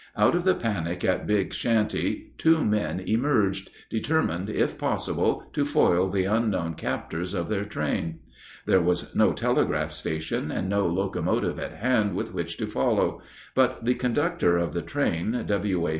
Out of the panic at Big Shanty two men emerged, determined, if possible, to foil the unknown captors of their train. There was no telegraph station, and no locomotive at hand with which to follow; but the conductor of the train, W.A.